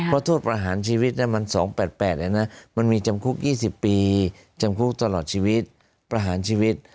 เพราะโทษประหารชีวิตมัน๒๘๘แล้วนะมันมีจำคุก๒๐ปีจำคุกตลอดชีวิตประหารชีวิต